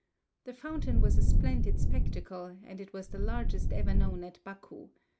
The fountain was a splendid spectacle and it was the largest ever known at Baku.